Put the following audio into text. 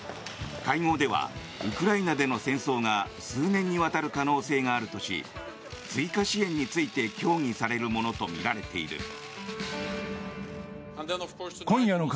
会合ではウクライナでの戦争が数年にわたる可能性があるとし追加支援について協議されるものとみられている。